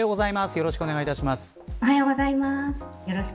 よろしくお願いします。